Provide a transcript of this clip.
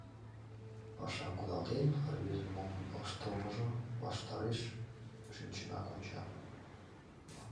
Пашам кудалтен, рвезын мом ыштылмыжым ваштареш шинчынак онча.